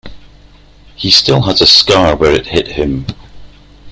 He still has a scar where it hit him.